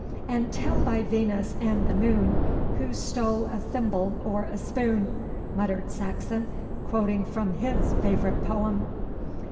'And tell by Venus and the moon, Who stole a thimble or a spoon.' muttered Saxon, quoting from his favourite poem.